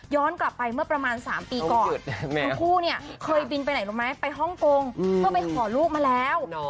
กลับไปเมื่อประมาณ๓ปีก่อนทั้งคู่เนี่ยเคยบินไปไหนรู้ไหมไปฮ่องกงเพื่อไปขอลูกมาแล้ว